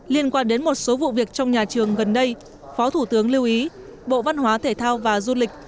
liên quan đến một số vụ việc trong nhà trường gần đây phó thủ tướng lưu ý bộ văn hóa thể thao và du lịch